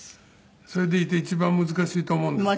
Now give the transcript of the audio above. それでいて一番難しいと思うんですけど。